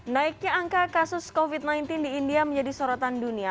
naiknya angka kasus covid sembilan belas di india menjadi sorotan dunia